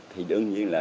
thì đương nhiên là